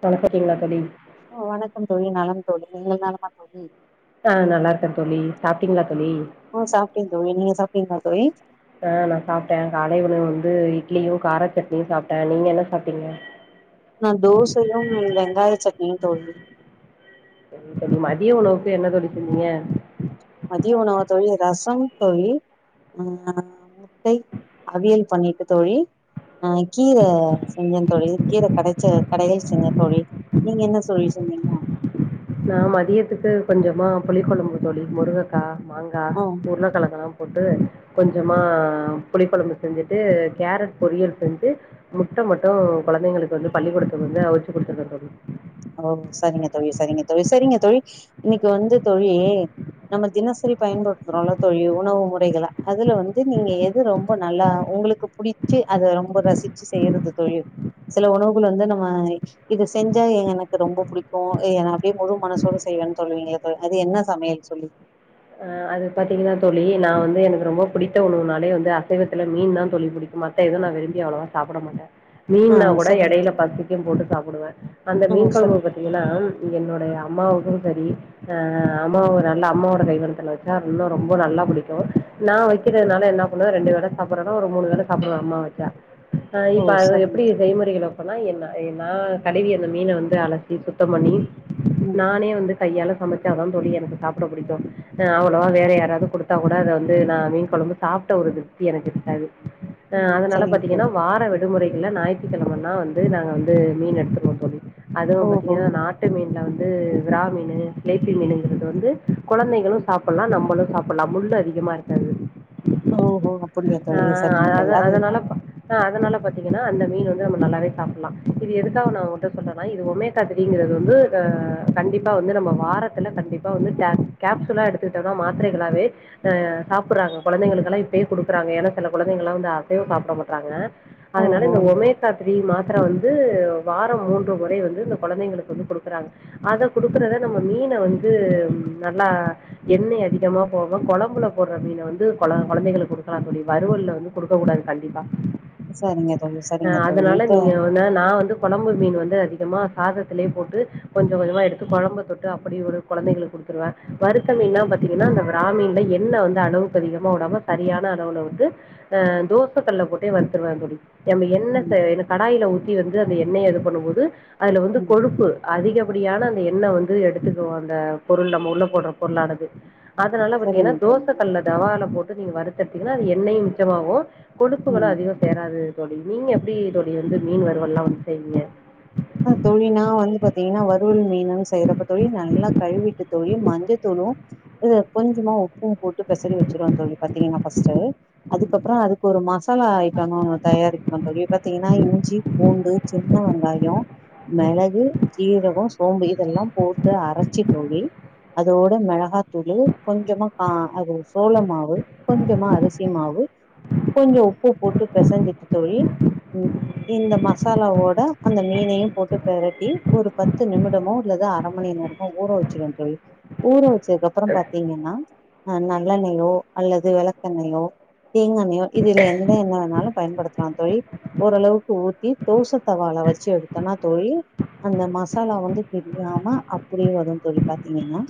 பொலப்புட்டீங்ளா தோழி ஓ வணக்கம் தோழி நலம் தோழி நீங்கள் நலமா தோழி ஆ நல்லா இருக்கன் தோழி சாப்ட்டீங்ளா தோழி ஆ சாப்ட்டே தோழி நீங்க சாப்ட்டீங்களா தோழி ஆ நா சாப்டே காலை உணவு வந்து இட்லியு காராச் சட்னியு சாப்டே நீங்க என்ன சாப்டீங்க நா தோசையும் வெங்காய சட்னியு தோழி சரிங்க தோழி மதிய உணவுக்கு என்ன தோழி செஞ்சிங்க மதிய உணவா தோழி ரசம் தோழி அ முட்டை அவியல் பண்ணிட்டு தோழி அ கீர செஞ்சே தோழி கீரக் கடைச்ச [unintelligible] தோழி நீங்க என்ன சோழி சொன்னீங்க நா மதியத்துக்கு கொஞ்சமா புளிக்கொழும்பு தோழி முருகக் கா மாங்கா ஆ உருளக்கெழங்கலாம் போட்டு கொஞ்சமா புளிக்கொழம்பு செஞ்சிட்டு கேரட் பொரியல் செஞ்சு முட்ட மட்டு கொழந்தைங்களுக்கு வந்துப் பள்ளிகூடத்து வந்து அவுச்சு குடுத்துட்டந் தோழி ஓ சரிங்க தோழி சரிங்க தோழி சரிங்க தோழி இன்னைக்கு வந்து தோழி நம்ம தினசரிப் பயன்படுத்துறோல்லத் தோழி உணவு முறைகள அதுல வந்து நீங்க எது ரொம்ப நல்லா உங்களுக்குப் புடிச்சி அத ரொம்ப ரசிச்சு செய்யறது தோழி சில உணவுகள் வந்து நம்ம இது செஞ்சா எ எனக் க்கு ரொம்ப புடிக்கு எ என அப்டியே முழு மனசோடு செய்வேன் சொல்லுவீங்கல தோழி அது என்ன சமையல் சொல்லி ஆ அது பாத்தீங்கனா தோழி நா வந்து எனகு ரொம்பப் புடித்த உணவுனாலே வந்து அசைவத்துல மீன்தாந் தோழி புடிக்கும் மா த்த எது நா விரும்பி அவ்ளவா சாப்பட மாட்டே ஆ மீன்னாக் கூட சரிங்க எடையலப் தோழி பசிக்கும் போட்டு சாப்புடுவே அந்த ம் மீன் சரி கொழம்பு பத் திங்கனா என்னுடைய அம்மாவுக்கு செரி அ அம்மாவுரு அல்லா அம்மாவோட கைவண்ணத்துல வெச் ச்சார் இன்னு ரொம்ப நல்லா புடிக்கு நா வெக்கிறதனால என்னாப் பண்ணுவே ரெண்டு வேல சாப்பறனா ஒரு மூனு வேல சாப்புடுவே அம்மா வெச் சா அ ஓ இப்ப அது சரிங்க எப்டி தோழி. செய்முறைகளப் பனா என்ன இ நா கழுவி அந்த மீன வந்து அலசி சுத்தம் பண்ணி ம் நானே வந்து கையால சமச்சாதாந் தோழி எனக்கு சாப்பட புடிக்கு அ அவ்ளவா வேற யாராவது குடுத்தா கூட அத வந்து நா மீன் கொழம்பு சாப்ட்ட ஒரு திருப்தி எனக்கு இருக்காது அ ம் அதனால சரிங்க பாத்தீங்கனா தோழி வார வெட் டுமுறைகள ஞயித்திக்கெழமன்னா வந்து நாங்க வந்து மீன் எடுத்துருவோம் தோழி அதுவும் ஓஹோ பாத்தீங்கனா நாட் ட்டு மீன்ல வந்து விறா மீனு லேத்தி மீனுங்கிறது வந்து கொழந்தைகளுச் சாப்பல்லா நம்பளு சாப்பல்லா முள்ளு அதிகமா இருக்காது ஓஹோ அப்படியா அ தோழி சரிங்க அத தோழி அது அதனாலப்ப அ அதனாலப் பாத்தீங்கனா அந்த மீன் வந்து நம்ம நால்லாவே சாப்புல்லா இது எதுக்காக நா உன்ட்ட சொல்றனா இது ஒமேக் காத் த்ரீங்கிறது வந்து அ கண்டிப்பா வந்து நம்ம வாரத்தில கண்டிப்பா வந்து டே கேப்சூலா எடுத்து [unintelligible] மாத்திரைகளாவேக் அ சாப்பிர்றாங்க கொழந்தைங்களுக்கெலா இப்பயே குடுக்குறாங்க எனா சில கொழந்தைங்கல்லா வந்து அசைவோ சாப்ட மாட்றாங்க அதனால ஓஹோ இந்த ஒமேக் கா த்ரீ மாத்ர வந்து வாரம் மூன்று முறை வந்து இந்த கொழந்தைங்களுக்கு வந்து குடுக்குறாங் அதக் குடுக்கறத நம்ம மீன வந்து நல்லா எண்ணெய் அதிகமாப் போவே கொழம்புலப் போட்ற மீன வந்து கொழ கொழந்தைகளுக் குடுக்கலாந் தோழி வறுவல்ல வந்து குடுக்க கூடாது கண்டிப்பா சரிங்க தோழி சரிங்க தோழி இப்ப ன நா வந்து கொழம்பு மீன் வந்து அதிகமா சாதத்திலியேப் போட்டு கொஞ்ச கொஞ்சமா எடுத்து கொழம்புத் தொட்டு அப்படி ஒரு கொழந்தைகளுக் குடுத்துருவே வருத்த ம் மீன்னாப்பத் தீங்கனா அந்த பிராமீன்ல எண்ணெ வந்து அளவுக்கு அதிகமா வுடாம சரியான அளவுல வந்து அ தோசக் கல்லப் போட்டே வறுத்துருவேந் தோழி எம்ம எண்ணெ ம் சே எனக் கடாயில ஊத்தி வந்து அந்த எண்ணெய இதுப் பண்ணும்போது அதுல வந்து ம் கொழுப்பு அதிகப்படியான அந்த எண்ண வந்து எடுத்துக்குவோ அந்த பொருள் நம்ம உள்ள போடுற பொருளானது அதனால பாத்தீங்கன்னா சரிங்க தோச தோழி கல்ல தவால போட்டு நீங்க வறுத்தெடுத்தீங்கன்னா அது எண்ணெயு மிச்சமாவு கொடுப்புகளு ம் அதிகோ சேராது தோழி நீங்க எப்டி தோழி வந்து மீன் வறுவல்லா வந்து செய்வீங்க ஆ தோழி நா வந்து பாத்தீங்கன்னா வறுவல் மீனுன் செய்றப்ப தோழி நல்லா கழுவிட்டு தோழி மஞ்சத்தூளு இது கொஞ்சமா உப்பு போட்டு பெசறி வச்சிருவ தோழி பாத்தீங்கன்னா ஃபஸ்ட்டு அதுக்கு அப்புறோ அதுக்கு ஒரு மசாலா ஐட்டனு ஒன்னு தயாரிக்கனு தோழி பாத்தீங்கன்னா இஞ்சி பூண்டு சின்ன வெங்காயோ மெளகு சீரகோ சோம்பு இதெல்லா போட்டு அரச்சி தோழி அதோட மிளகாத்தூளு கொஞ்சமா கா அது சோள மாவு கொஞ்சமா அரிசி மாவு கொஞ்சோ உப்பு போட்டு பெசஞ்சிட்டு தோழி ம் இல்ல மசாலாவோட அந்த மீனையு போட்டு பெரட்டி ஒரு பத்து நிமிடமோ இல்லது அர மணி நேரமோ ஊற வச்சிருவ தோழி ஊற வச்சக்கப்றோ பாத்தீங்கன்னா அ நல்லெண்ணெயோ அல்லது வெளக்கெண்ணெயோ தேங்காண்ணெயோ இதுல எந்த எண்ண வேணாலு பயன்படுத்தலா தோழி ஓரளவுக்கு ஊத்தி தோச தவால வச்சு எடு த்தனா தோழி அந்த மசாலா வந்து பிரியாம அப்படியே வரு தோழி பாத்தீங்கன்னா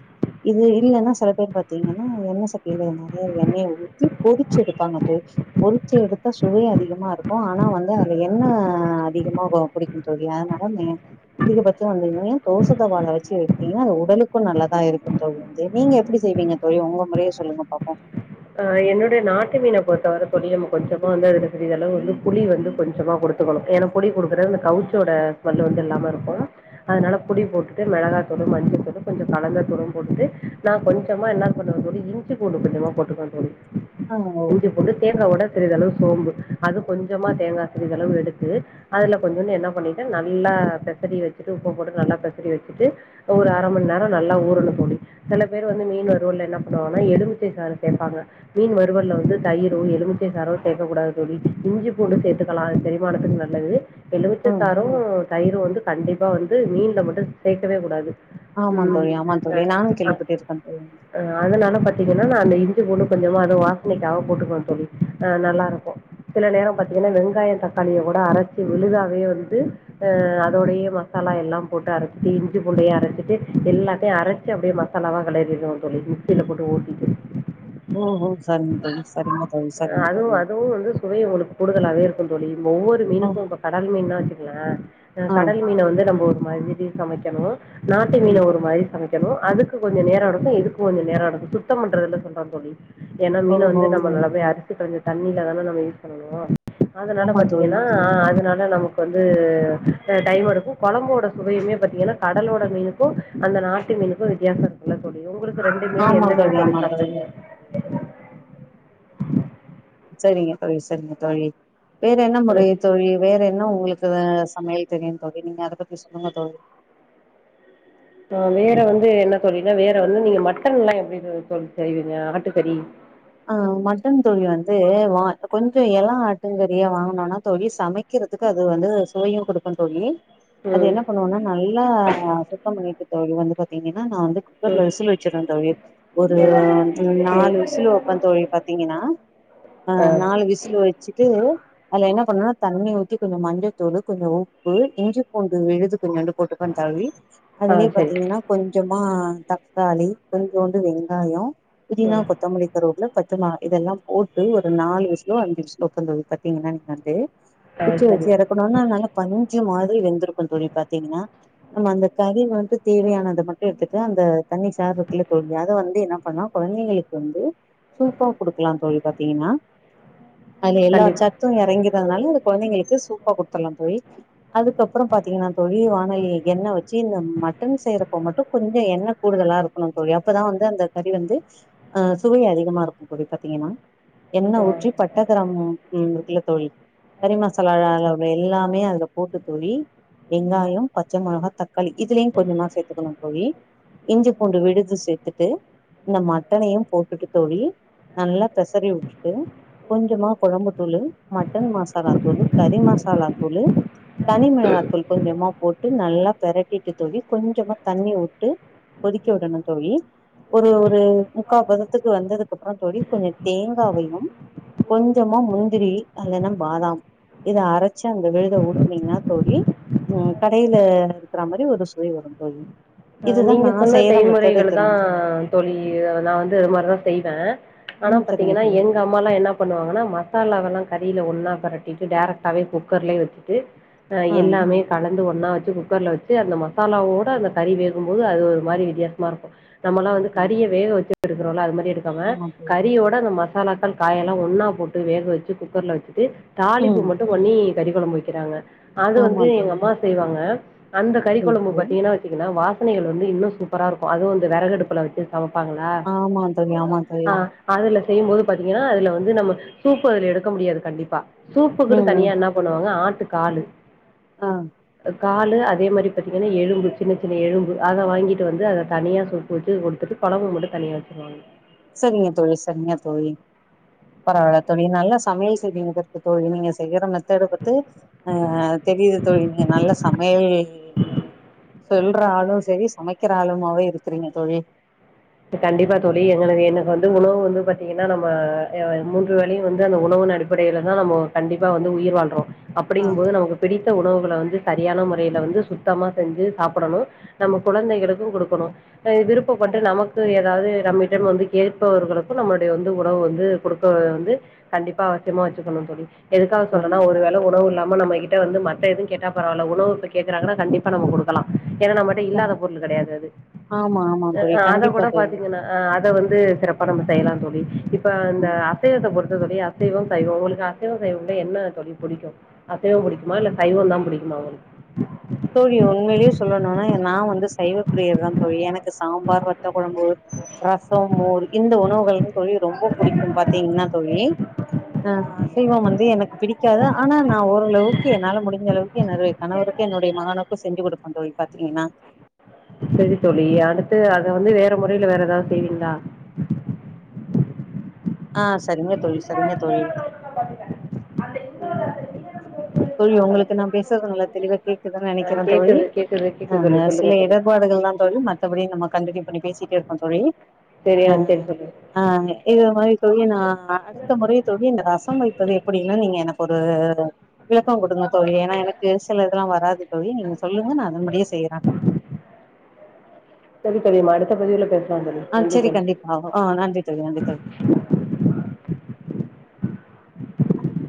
இது இல்லன்னா செல பேர் பாத்தீங்கன்னா எண்ணெ சட்டில நறைய எண்ணெயை ஊத்தி பொரிச்சு எடுப்பாங்க தோ பொரிச்சி எடுத்தா சுவை அதிகமா இருக்கு ஆனா வந்து அதுல எண்ணெ அதிகமா புடிக்கு தோழி அதனால ம அதிகபட்சோ வந்தன்ன தோச தவால வச்சு எடுத்தீங்கன்னா அது உடலுக்கு நல்லதா இருக்கும் தோழி வந்து நீங்க எப்படி செய்வீங்க தோழி ஒங்க முறைய சொல்லுங்க பாப்போ ஆ என்னோடைய நாட்டு மீன பொறுத்த வரை தோழி நம்ம கொஞ்சமா வந்து அதுக்கு சிறிதளவு வந்து புளி வந்து கொஞ்சமா கொடுத் துக்கணு ஏனா புளி குடுக்குறது இந்த கவுச்சோட ஸ்மெல் வந்து இல்லாம இருக்கு அதனால புளி போட்டுட்டு மெளகாதூளு மஞ்சத்தூளு கொஞ்சோ கலந்த தூளும் போட்டுட்டு நா கொஞ்சமா என்ன போட்டுகுவ தோழி இஞ்சி பூண்டு கொஞ்சமா போட்டுக்குவ தோழி ஆ ஓ இஞ்சி பூண்டு தேங்கா ஒட சிறிதளவு சோம்பு அது கொஞ்சமா தேங்கா சிறிதளவு எடுத்து அதுல கொஞ்சூண்டு என்ன பண்ணிட்ட நல்லா பெசரி வச்சுட்டு உப்ப போட்டு நல்லா பெசரி வச்சுட்டு ஒரு அர மண் நேரோ நல்லா ஊரனு தோழி சில பேர் வந்து மீன் வருவல்ல என்ன பண்ணுவாங்னா எலுமிச்சை சாரு கேப்பாங்க மீன் வருவல்ல வந்து தயிரோ எலுமிச்சை சாரோ சேக்ககூடாது தோழி இஞ்சி பூண்டு சேர்த்துக்கலா செரிமானத்துக்கு நல்லது எலுமிச்சை ம் சாரு தயிரு வந்து கண்டிப்பா வந்து மீன்ல மட்டு சேக்கவே கூடாது ஆமாந் ம், தோழி ஆமாநா தோழி அஹ், நானு ஆ கேள்விப்பட்டிருக்க தோழி இங்க அ அதனால பாத்தீங்கன்னா நா அந்த இஞ்சி பூண்டு கொஞ்சமா அது வாசனைக்காக போட்டுக்குவ தோழி ஆ நல்லா இருக் சில நேரம் பாத்தீங்கன்னா வெங்காயோ தக்காளிய கூட அரச்சு விழுதாவே வந்து அ அதோடையே மசாலா எல்லா போட்டு அரச்சிட்டு இஞ்சி பூண்டையு அரச்சிட்டு எல்லாத்தையு‌ அரச்சு அப்டியே ம சாலாலா கெளரிரணு தோழி மிக்சில போட்டு ஊத்திட்டு ம் ம் சரிங்க தோழி சரிங்க தோழி சரிங்க அதுவு தோழி அதுவு வந்து சுவை உங்களுக்கு குடுக்கல அதே இருக்கு தோழி இந்த ஒவ்வொரு ஆ மீனுக்கு இப்ப கடல் மீனுனா வச்சுக்கங்களன் ஆ கடல் மீன வந்து நம்ம ஒரு மாதிரி சமைக்கணு நாட்டு மீன ம் ஒரு மாறி சமைக்கணு அதுக்கு கொஞ்சோ நேரோ இருக்கும் இதுக்கு கொஞ்ச நேரோ இருக்கு சுத்தம் பண்றதுல சொன் ம் தோழி ஏனா மீன ஓஹோ வந்து நம்ம ம் நல்ல போய் அலச்சிட்டு வந்து தண்ணில தான நம்ம யூஸ் பண்ணனு அதனால ஆமா தோழி பாத்தீங்கன்னா ஆ அதனால் அதா நமக்கு வந்து டைம் எடுக்கு கொழம்போட சுவையுமே பாத்தீங்கன்னா கடலோட மீனு அப்போ அந்த நாட்டு மீனுக்கு வித்யாசோ இருக்குல்ல தோழி உங்களுக்கு ரெண்டு மீன் எந்த மீன் தோழி சாப்டுவீங்கூ சரிங்க தோழி சரிங்க தோழி வேறென்ன முறைய தோழி வேற என்ன உங்களுக்கு சமையல் தெரியு தோழி நீங்க அத பத்தி சொல்லுங்க தோழி இப்போ வேற வந்து என்ன தோழின்னா வேற வந்து நீங்க மட்டன்லா எப்டி தோழி செய்வீங்க ஆட்டுக்கறி ஆ மட்டன் தோழி வந்து வா கொஞ்ச எளம் ஆட்டுக்கறியா வாங்கனுனா தோழி சமைக் கிறதுக்கு அது வந்து சுவையு குடுக்குதோழி அது ம் என்ன பண்ணுவோனா நல்லா சுத்தம் பண்ணிட்டு தோழி வந்து பாத்தீங்கன்னா நா வந்து குக் ம் கர்ல விசில் வச்சிருவ தோழி ஒரு ம் நாலு ம் விசிலு அப்றோ தோழி பாத்தீங்கன்னா அ ஆ நாலு விசிலு வச்சுட்டு அதுல என்ன பண்ணனுனா தண்ணி ஊத்தி கொஞ்சோ மஞ்சத்தூளு கொஞ்ச உப்பு இஞ்சி பூண்டு விழுது கொஞ்சோண்டு போட்டுக்கனு தோழி ஆ அதுலயே சரி பாத்தீங்கன்னா கொஞ்சமா தக்காளி கொஞ்சோண்டு வெங்காயோ புதினா ம் கொத்தமல்லி கருவேப்பிலை பச்ச மிளகா இதெல்லா போட்டு ஒரு நாலுவிசுலோ அஞ்சு விசுலோ பாத்தீங்கன்னா நீங்க வந்து ஆ வச்சு வச்சு சரி எறக்கனோனா நல்ல பஞ்சு மாதிரி வெந்திருக்கு தோழி பாத்தீங்கன்னா நம்ம அந்த கறி வந்து தேவையானத மட்டு எடுத்துட்டு அந்த தண்ணி சாது இருக்குல்ல தோழி அதை வந்து என்ன பண்ணுனா கொழந்தைங்களுக்கு வந்து சூப்பா குடுக்கலா தோழி பாத்தீங்கன்னா அதுல எல்லா கண்டிப்பா சத் து எறங்கிறதுனால அத கொழந்தைங்களுக்கு சூப்பா குடுத்துடுலா தோழி அதுக்கப்பறோ பாத்தீங்கன்னா தோழி வானொலில எண்ணெ வச்சு இந்த மட்டன் செய்யறப்போ மட்டு கொஞ்சோ எண்ணெ கூடுதலாருக் கனு தோழி அப்பதா வந்து அந்த கறி வந்து சுவை அதி கமா இருக்கு தோழி பாத்தீங்கன்னா என்ன ஆ ஊற்றி பட்ட கிரம்பு இருக்குல தோழி கறி மசாலா அ அளவுல எல்லாமே அதுல போட்டு தோழி வெங்காயோ பச்ச மொளகா தக்காளி இதுலயு கொஞ்சமா சேத்துக்கணு தோழி இஞ்சி பூண்டு விழுது சேத்துட்டு இந்த மட்டனையு போட்டுட்டு தோழி நல்லா பெசறி விட்டுட்டு கொஞ்சமா கொழம்பு தூளு, மட்டன் மசாலா தூளு, கறி மசாலாத்தூளு தனி மெளகாத்தூள் கொஞ்சமா போட்டு நல்லா பெரட்டிட்டு தோழி கொஞ்சமா தண்ணி வுட்டு கொதிக்க விடணு தோழி ஒரு ஒரு முக்கா பத த்துக்கு வந்ததுக்கு அப்பறோ தோழி கொஞ்சோ தேங்காவையு கொஞ்சமா முந்திரி இல்லனா பாதாம் இத அரைச்சு அந்த விழுதை ஊத்துனீங்கன்னா தோழி ம் கடையில இருக்றா மாரி ஒரு சுவை வரும் தோழி ஆ இதுதா நீங்க நா சொன்ன செய்யற மெத்தடு செய்முறைகள்தா தோழி நா வந்து அது மாரிதா செய்வே ஆனா ம் சரிங்க பாத்தீங்கன்னா தோழி எங்க அம்மாலா என்ன பண்ணுவாங்கன்னா மசாலாவெல்லா கறியில ஒன்னா பெரட்டிட்டு டேரக்டாவே குக்கர்லயே வச்சிட்டு அ ஆ எல்லாமே கலந்து ஒன்னா வச்சு குக்கர்ல வச்சு அந்த மசாலாவோட அந்த கறி வேகும்போது அது ஒரு மாரி வித்தியாசமா இருக்கு நம்ம ல்லா வந்து ம் கறிய வேக வச்சு எடுக்குறோல்லா அது மாரி எடுக் காம ஆமா தோழி கறியோட அந்த மசாலாக்கள் காய் எல்லா ஒன்னா போட்டு வேக வச்சு குக்கர்ல வச்சுட்டு தாளிப்பு ம் மட்டு பண்ணி கறி கொழம்பு வைக்கிறாங்க அது ஆமா வந்து எங்க தோழி அம்மா செய்வாங்க அந்த கறி சரிங்க கொழம்பு தோழி பத்தீங்கனா வச்சீங்கன்னா வாசனைகள் வந்து இன்னு சூப்பரா இருக்கு அதுவு இந்த வெறகு அடுப்புல வச்சு சமைப்பாங்களா, ஆமா தோழி ஆமா தோழி ஆ அதுல செய்யும்போது பாத்தீங்கன்னா அதுல வந்து நம்ம சூப்பு அதுல எடுக்க முடியாது கண்டிப்பா சூப்புக்குன்னு ம் தனியா என்ன பண்ணுவாங்க ஆட்டு காலு ஆ காலு அதே மாரி பாத்தீங்கன்னா எலும்பு சின்ன சின்ன எலும்பு அத வாங்கிட்டு வந்து அத தனியா சூப்பு வச்சு குடுத்துட்டு கொழம்பு மட்டு தனியா வச்சுருவங்க சரிங்க தோழி சரிங்க தோழி பரவாயில்ல தோழி நல்லா சமையல் செய்வீங்க பாத்து தோழி நீங்க செய்யற மெத்தடு பாத்து ஆ தெரியுது தோழி நீங்க நல்ல சமையல் சொல்ற ஆளு சரி சமைக்கிற ஆளுமாவே இருக்கிறீங்க தோழி கண்டிப்பா தோழி எது எனக்கு வந்து உணவு வந்து பாத்தீங்கன்னா நம்ம மூன்று வேலையு வந்து அந்த உணவு நடிப் படில தா நம்ம கண்டிப்பா வந்து உயிர் வாழ்றோ ஆ அப்டிங்போது நமக் பிடித்த உணவுகளை வந்து சரியான முறையில வந்து சுத்தமா செஞ்சு சாப்பிடணு நம்ம குழந்தைகளுக்கு குடுக்கணு க விருப்பப்பட்டு நமக் கு எதாவுது நம்மிடம் வந்து கேட்பவர்களுக்கு நம்மளுடைய வந்து உணவு வந்து குடுக்க வந்து கண்டிப்பா அவசியமா வச்சுக்குணு தோழி எதுக்காக க சொல்றனா ஒரு வேளை உணவு இல்லாம நம்ம கிட்ட வந்து மத்த எது கேட்டா பரவில்ல உணவு கேக்குறாங்கனா கண்டிப்பா நம்ம குக்கலா ஏனா நம்ம கிட்ட க இல்லாத பொருளு கெடையாது அது ஆமா ஆமா அ தோழி அத கண்டிப்பா கூட தோழி பாத்தீங்கன்னா அத வந்து சிறப்பா நம்ம செய்யலா தோழி இப்ப இந்த ம் அசைவத்தை பொறுத்தவரியு அசைவம் சைவம் உங்களுக்கு அசைவம் சைவம் என்ன தோழி புடிக்கு அசைவோ புடிக்குமா இல்ல சைவோ தா புடிக்குமா உங்களுக்கு தோழி உண்மையிலயே சொல்லணும்னா நா வந்து சைவப்ரியர் தா தோழி எனக்கு சாம்பார் வத்த கொழம்பு ரசோ மோர் இந்த உணவுகள் தா தோழி ரொம்ப புடிக்கு பாத்தீங்கன்னா தோழி அ அசைவம் வந்து எனக்கு பிடிக்காது ஆனா நா ஓரளவுக்கு என்னால முடிஞ்ச அளவுக்கு என்னோட கணவருக் க் என்னுடைய மகனுக்கு செஞ்சு குடுப்ப தோழி பாத்தீங்கன்னா செரி தோழி அடுத்து அத வந்து வேற மொறையில வேற எதாவுது செய்வீங்ளா ஆ சரிங்க தோழி சரிங்க தோழி தோழி ஹலோ. உங்களுக்கு நா பேசுறது நல்லா தெளிவா கேக் குதுனு ஆ நெனைக்கிறே தோழி கேக்குது கேக்குது ஆ கேக்குது தோழி. சில சொல்லுங்க தோழி. இடர்பாடுகள் தா தோழி மத் தபடி நம்ம கண்டினியூ பண்ணி பேசிட்டே இருப்போ தோழி செரியா ஆ செரி தோழி ஆ இது மாரி தோழி நா அடுத்த முறை தோழி இந்த ரசம் வைப்பது எப்டின்னு நீங்க எனக் ஒரு விளக்கம் குடுங்க தோழி ஏனா எனக்கு சில இதெல்லா வராது தோழி நீங்க சொல்லுங்க நா அதன்படியே செய்ற செரி தோழி நா அடுத்த பதிவுல பேச ஆ செரி கண்டிப்பா ஆ நன்றி தோழி நன்றி தோழி